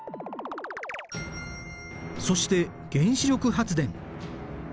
そして原子力発電。